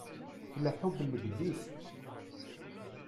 Tleḥḥu bellegdis.